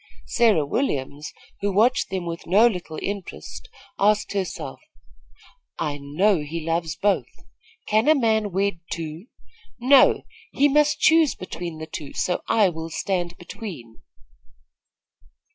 Sarah Williams, who watched them with no little interest, asked herself: "I know he loves both. Can a man wed two? No; he must choose between the two, so I will stand between."